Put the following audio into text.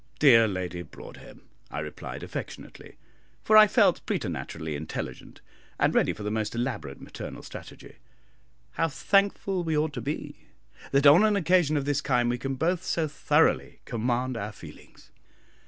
"Dear Lady Broadhem," I replied, affectionately, for I felt preternaturally intelligent, and ready for the most elaborate maternal strategy, "how thankful we ought to be that on an occasion of this kind we can both so thoroughly command our feelings!